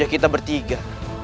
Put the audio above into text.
wajah kita bertiga